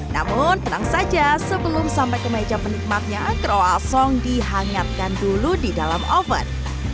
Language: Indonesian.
namun tenang saja sebelum sampai ke meja penikmatnya kro asong dihangatkan dulu di dalam oven